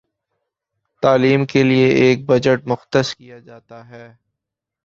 تعلیم کے لیے ایک بجٹ مختص کیا جاتا ہے